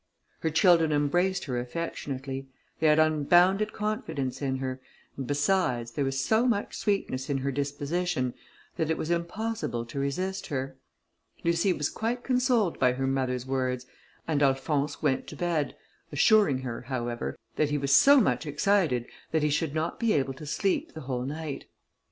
Her children embraced her affectionately; they had unbounded confidence in her, and besides, there was so much sweetness in her disposition, that it was impossible to resist her. Lucie was quite consoled by her mother's words, and Alphonse went to bed, assuring her, however, that he was so much excited, that he should not be able to sleep the whole night.